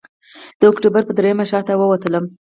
د اکتوبر پر درېیمه ښار ته ووتلم.